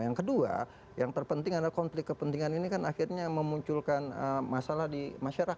yang kedua yang terpenting adalah konflik kepentingan ini kan akhirnya memunculkan masalah di masyarakat